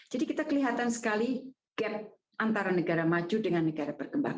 jadi kita kelihatan sekali gap antara negara maju dengan negara berkembang